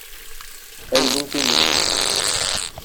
Elles ont aimé.